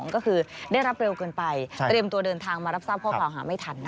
ก็คือได้รับเร็วเกินไปเตรียมตัวเดินทางมารับทราบข้อกล่าวหาไม่ทัน